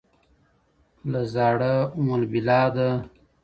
له زاړه امالبلاده